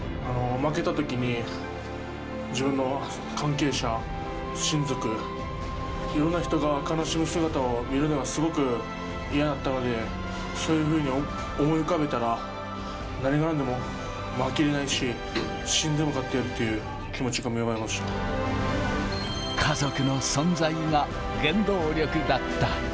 負けたときに、自分の関係者、親族、いろんな人が悲しむ姿を見るのがすごく嫌だったので、そういうふうに思い浮かべたら、何がなんでも負けれないし、死んでも勝ってやるという気持ち家族の存在が原動力だった。